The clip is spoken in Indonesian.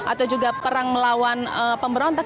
atau juga perang melawan pemberontak